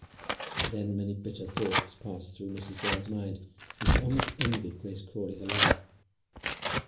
Then many bitter thoughts passed through Mrs. Dale's mind, and she almost envied Grace Crawley her lover.